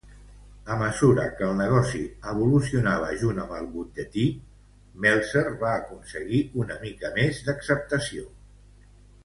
A mesura que el negoci evolucionava junt amb el butlletí, Meltzer va aconseguir una mica més d'acceptació.